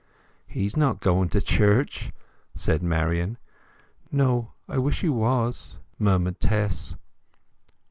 "He's not going to church," said Marian. "No—I wish he was!" murmured Tess.